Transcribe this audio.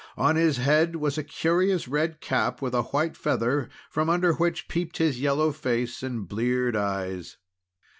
On his head was a curious red cap with a white feather, from under which peeped his yellow face and bleared eyes.